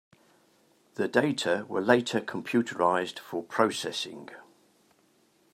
The data were later computerized for processing.